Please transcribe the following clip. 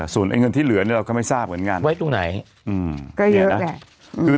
ส่วนเงินที่เหลือเราก็ไม่ทราบเหมือนกันไว้ตรงไหนก็เยอะแหละ